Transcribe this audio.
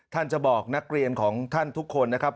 จะบอกนักเรียนของท่านทุกคนนะครับ